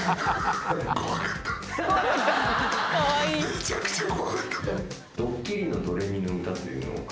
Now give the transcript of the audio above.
めちゃくちゃ怖かった。